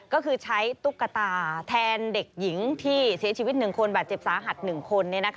ก็คือใช้ตุ๊กตาแทนเด็กหญิงที่เสียชีวิต๑คนบาดเจ็บสาหัส๑คน